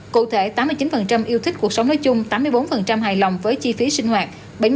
cụ thể tám mươi chín yêu thích cuộc sống nói chung tám mươi bốn hài lòng với chi phí sinh hoạt